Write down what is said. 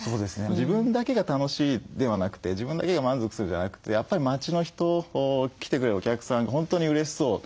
自分だけが楽しいではなくて自分だけが満足するじゃなくてやっぱり町の人来てくれるお客さんが本当にうれしそう。